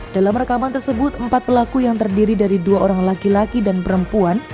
dalam rekaman tersebut empat pelaku yang terdiri dari dua orang laki laki dan perempuan